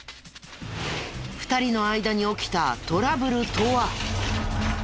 ２人の間に起きたトラブルとは？